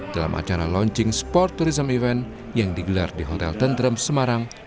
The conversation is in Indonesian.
dalam acara launching sport tourism event yang digelar di hotel tentrem semarang